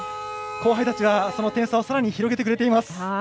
後輩たちは、その点差をさらに広げてくれています。